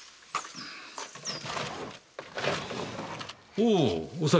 おおお咲。